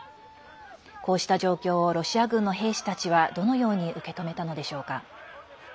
こうした状況をロシア軍の兵士たちはどのように受け止めたのでしょうか。